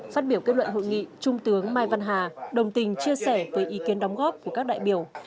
phát biểu kết luận hội nghị trung tướng mai văn hà đồng tình chia sẻ với ý kiến đóng góp của các đại biểu